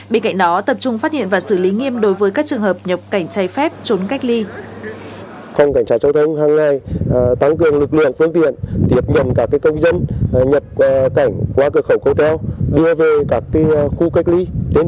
bên cạnh đó tập trung phát hiện và xử lý nghiêm đối với các trường hợp nhập cảnh trái phép trốn cách ly